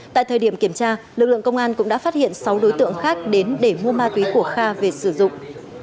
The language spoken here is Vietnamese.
tại thời điểm kiểm tra lực lượng công an cũng đã phát hiện sáu đối tượng khác đến để mua ma túy của kha về sử dụng